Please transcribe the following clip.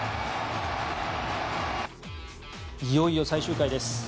いよいよ最終回です。